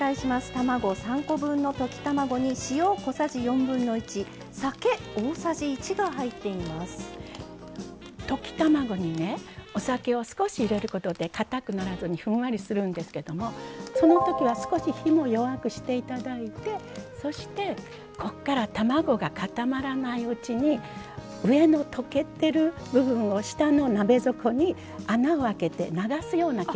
卵３コ分の溶き卵に溶き卵にねお酒を少し入れることでかたくならずにふんわりするんですけどもその時は少し火も弱くして頂いてそしてこっから卵が固まらないうちに上の溶けてる部分を下の鍋底に穴を開けて流すような気持ちで。